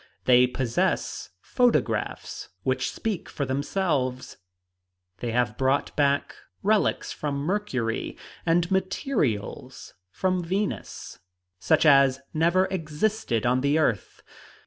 They possess photographs which speak for themselves; they have brought back relics from Mercury and materials from Venus, such as never existed on the earth.